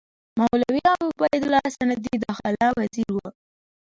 مولوي عبیدالله سندي داخله وزیر وو.